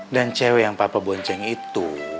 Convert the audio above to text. dan cewek yang papa bonceng itu